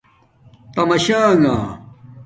تماشانݣ